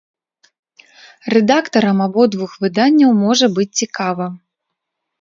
Рэдактарам абодвух выданняў можа быць цікава.